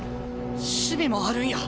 守備もあるんや。